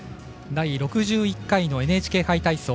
第６１回のＮＨＫ杯体操。